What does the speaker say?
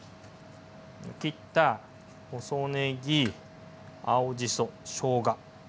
切った細ねぎ青じそしょうが。